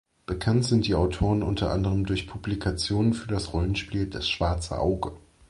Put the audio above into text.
Bekannt sind die Autoren unter anderem durch Publikationen für das Rollenspiel Das Schwarze Auge.